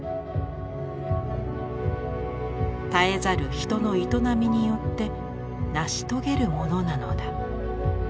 絶えざる人の営みによって成し遂げるものなのだ。